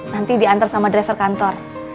nanti diantar sama driver kantor